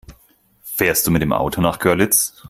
Fährst du mit dem Auto nach Görlitz?